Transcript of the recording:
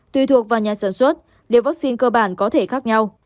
tùy thuộc vào nhà sản xuất để vaccine cơ bản có thể khác nhau